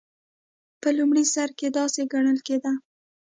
په لومړي سر کې داسې ګڼل کېده.